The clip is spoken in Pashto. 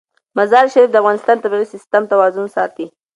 مزارشریف د افغانستان د طبعي سیسټم توازن ساتي.